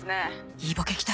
いいボケきた。